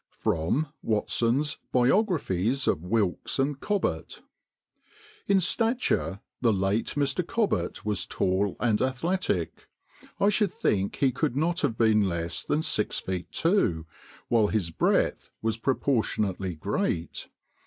[Sidenote: Watson's Biographies of Wilkes and Cobbett.] "In stature the late Mr. Cobbett was tall and athletic. I should think he could not have been less than six feet two, while his breadth was proportionately great.